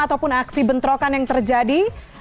ataupun aksi bentrokan yang terjadi